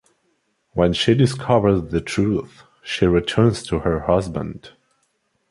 When she discovers the truth she returns to her husband.